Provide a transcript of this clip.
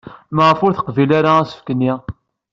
Maɣef ur teqbil ara asefk-nni?